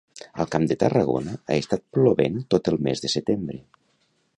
Al Camp de Tarragona ha estat plovent to el mes de setembre.